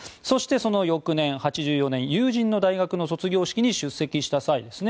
そして、その翌年８４年友人の大学の卒業式に出席した際。